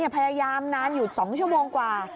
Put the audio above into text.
พยายามนานอยู่๒ชั่วโมงกว่า